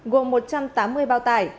gồm một trăm tám mươi bao tải